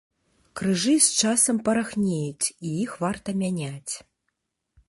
Крыжы з часам парахнеюць і іх варта мяняць.